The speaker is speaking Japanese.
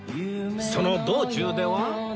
その道中では